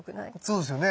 そうですよね。